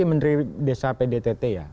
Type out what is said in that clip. menteri desa pdtt ya